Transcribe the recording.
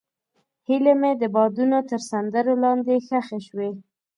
هیلې مې د بادونو تر سندرو لاندې ښخې شوې.